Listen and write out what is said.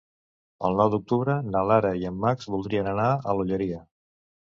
El nou d'octubre na Lara i en Max voldrien anar a l'Olleria.